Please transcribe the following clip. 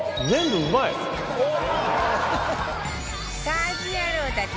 家事ヤロウたち